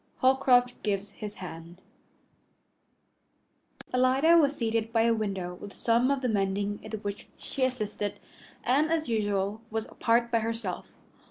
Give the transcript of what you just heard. Holcroft Gives His Hand Alida was seated by a window with some of the mending in which she assisted, and, as usual, was apart by herself.